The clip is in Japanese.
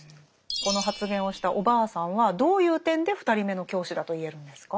この発言をしたおばあさんはどういう点で２人目の教師だと言えるんですか？